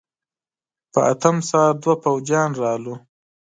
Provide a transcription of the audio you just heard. په اتم سهار دوه پوځيان راغلل.